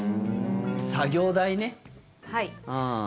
作業代ね。